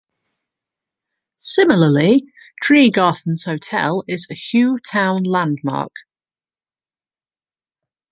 Similarly, Tregarthen's Hotel is a Hugh Town landmark.